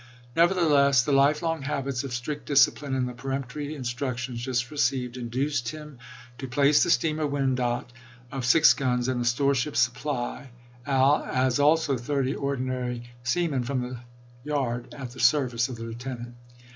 Nevertheless the lifelong habits of strict discipline and the peremptory instructions just received, induced him to place the steamer Wyandotte, of six guns, and the storeship Supply, as also thirty ordinary seamen from the yard, at the service of the lieutenant.